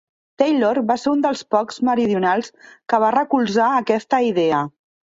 Taylor va ser un dels pocs meridionals que va recolzar aquesta idea.